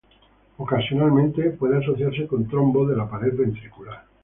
Ocasionalmente, puede asociarse con trombos de la pared ventricular.